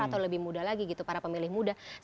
atau lebih muda lagi gitu para pemilih muda